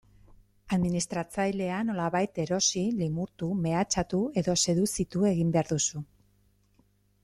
Administratzailea nolabait erosi, limurtu, mehatxatu edo seduzitu egin behar duzu.